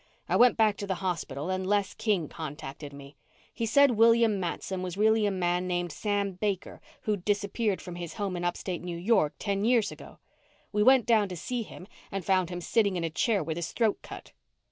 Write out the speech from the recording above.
I went back to the hospital and Les King contacted me. He said William Matson was really a man named Sam Baker who'd disappeared from his home in upstate New York ten years ago. We went down to see him and found him sitting in a chair with his throat cut."